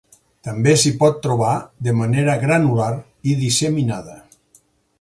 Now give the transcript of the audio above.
També s'hi pot trobar de manera granular i disseminada.